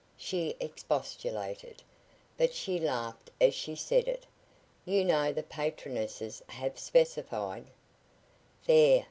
she expostulated, but she laughed as she said it. "You know the patronesses have specified " "There!"